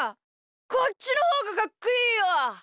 こっちのほうがかっこいいよ。